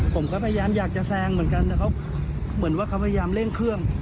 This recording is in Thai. ผมก็พยายามอยากจะแซงเหมือนกันแต่เขาเหมือนว่าเขาพยายามเร่งเครื่อง